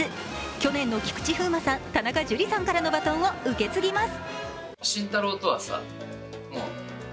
去年の菊池風磨さん、田中樹さんからのバトンを受け継ぎます。